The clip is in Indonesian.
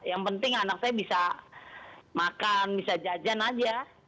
yang penting anak saya bisa makan bisa jajan aja